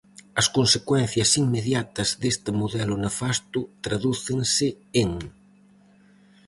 As consecuencias inmediatas deste modelo nefasto tradúcense en: